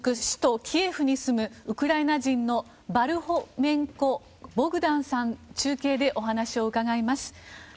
首都キエフに住むウクライナ人のパルホメンコ・ボグダンさんに中継でお話を伺います。